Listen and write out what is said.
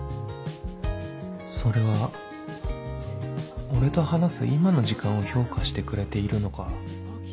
それは俺と話す今の時間を評価してくれているのか